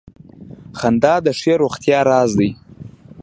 • خندا د ښې روغتیا راز دی.